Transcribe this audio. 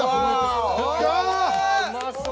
うまそう。